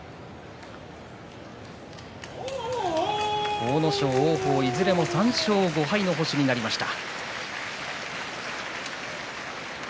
阿武咲、王鵬、いずれも３勝５敗の星になりました。